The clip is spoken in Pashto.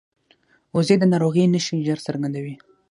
وزې د ناروغۍ نښې ژر څرګندوي